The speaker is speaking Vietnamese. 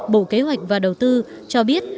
bộ kế hoạch và đầu tư cho biết